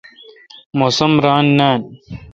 موسم ران نان۔